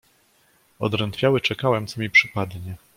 "Odrętwiały czekałem, co mi przypadnie."